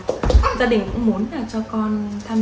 gia đình cũng muốn cho con tham gia